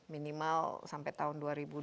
minimal sampai tahun dua ribu dua puluh